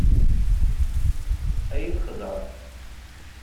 Ad yi-txedεeḍ.